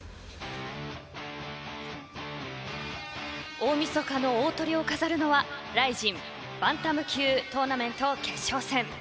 大みそかの大トリを飾るのはＲＩＺＩＮバンタム級トーナメント決勝戦。